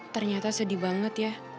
ternyata sedih banget ya